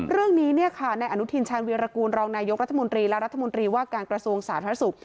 เรื่องนี้เนี่ยค่ะในอนุทินชาญวีรกูลรองนายกรัฐมนตรีและรัฐมนตรีว่าการกระทรวงสาธารณสุข